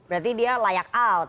berarti dia layak out